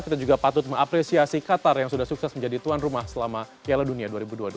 kita juga patut mengapresiasi qatar yang sudah sukses menjadi tuan rumah selama piala dunia dua ribu dua puluh dua